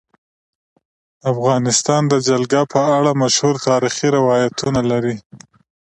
افغانستان د جلګه په اړه مشهور تاریخی روایتونه لري.